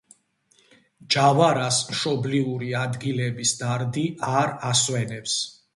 ჯავარას მშობლიური ადგილების დარდი არ ასვენებს.